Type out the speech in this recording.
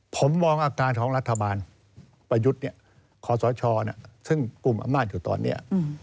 ผมมองอาการของรัฐบาลประยุทธ์ขอสชซึ่งกลุ่มอำนาจอยู่ตอนนี้